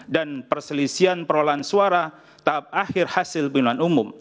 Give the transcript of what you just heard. dan perselisian perolahan suara tahap akhir hasil pilihan umum